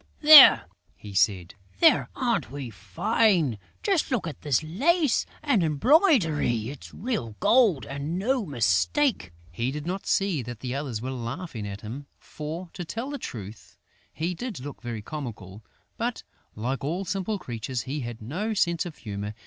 "There!" he said. "There! Aren't we fine!... Just look at this lace and embroidery!... It's real gold and no mistake!" He did not see that the others were laughing at him, for, to tell the truth, he did look very comical; but, like all simple creatures, he had no sense of humour.